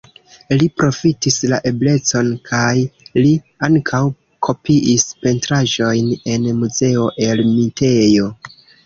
Li profitis la eblecon kaj li ankaŭ kopiis pentraĵojn en Muzeo Ermitejo.